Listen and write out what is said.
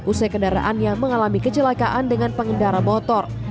usai kendaraannya mengalami kecelakaan dengan pengendara motor